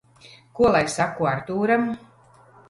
Ko lai saku Artūram?